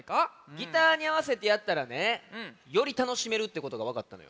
ギターにあわせてやったらねよりたのしめるってことがわかったのよ。